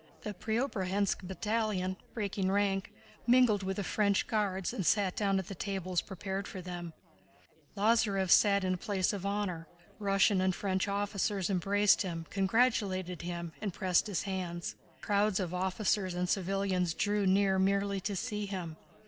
The Preobrazhénsk battalion, breaking rank, mingled with the French Guards and sat down at the tables prepared for them. Lázarev sat in the place of honor. Russian and French officers embraced him, congratulated him, and pressed his hands. Crowds of officers and civilians drew near merely to see him.